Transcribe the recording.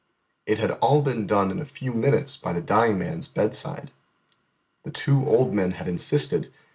It had all been done in a few minutes by the dying man's bedside. The two old men had insisted.